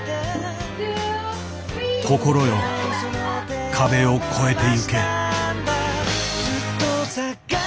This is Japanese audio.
心よ壁を越えてゆけ。